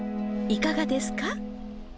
いかがですか？